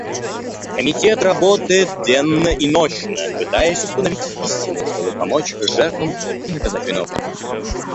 Комитет работает денно и нощно, пытаясь установить истину, чтобы помочь жертвам и наказать виновных.